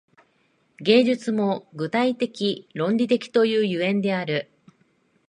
芸術も具体的論理的という所以である。